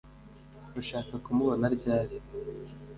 Urashaka kumubona ryari